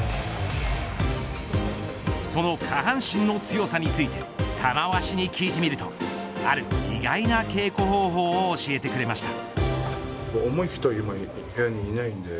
その下半身の強さについて玉鷲に聞いてみるとある意外な稽古方法を教えてくれました。